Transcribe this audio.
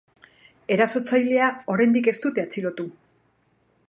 Erasotzailea oraindik ez dute atxilotu.